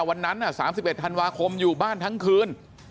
วันนั้น๓๑ธันวาคมอยู่บ้านทั้งคืน